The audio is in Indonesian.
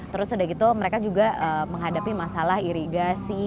terus udah gitu mereka juga menghadapi masalah irigasi